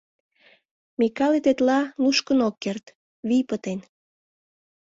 Микале тетла нушкын ок керт, вий пытен.